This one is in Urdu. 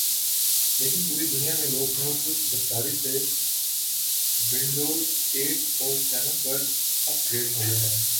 لیکن پوری دنیا میں لوگ بہت سست رفتاری سے ونڈوزایٹ اور سیون پر اپ گریڈ ہوہے ہیں